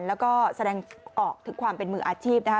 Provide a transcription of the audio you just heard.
แล้วก็แสดงออกถึงความเป็นมืออาชีพนะคะ